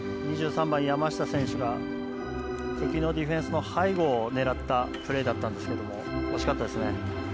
２３番、山下選手が敵のディフェンスの背後を狙ったプレーだったんですけども惜しかったですね。